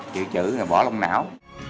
chữ chữ bỏ lông não